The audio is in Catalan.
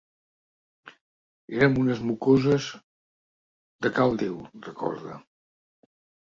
"Érem unes mocoses de cal Déu", recorda.